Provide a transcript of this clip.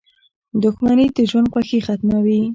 • دښمني د ژوند خوښي ختموي.